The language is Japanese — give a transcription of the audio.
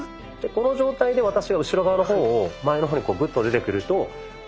この状態で私が後ろ側の方を前の方にグッと出てくると。